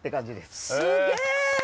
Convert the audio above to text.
すげえ！